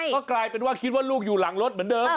ก็กลายเป็นว่าคิดว่าลูกอยู่หลังรถเหมือนเดิม